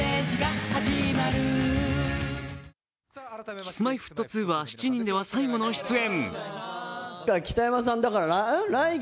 Ｋｉｓ−Ｍｙ−Ｆｔ２は７人では最後の出演。